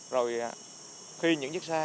rồi khi những chiếc xe